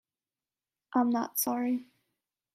I’m not sorry.